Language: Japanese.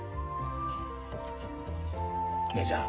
姉ちゃん。